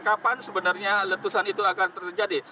kapan sebenarnya letusan itu akan terjadi